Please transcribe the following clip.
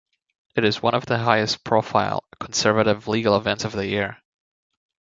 It is one of the highest profile conservative legal events of the year.